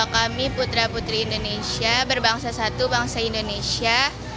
kami putra dan putri indonesia berbahasa satu bahasa indonesia